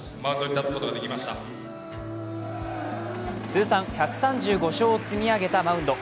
通算１３５勝を積み上げたマウンド。